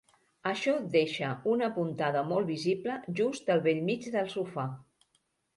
Això deixa una puntada molt visible just al bell mig del sofà.